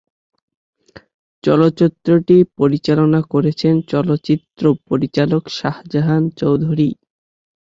চলচ্চিত্রটি পরিচালনা করেছেন চলচ্চিত্র পরিচালক শাহজাহান চৌধুরী।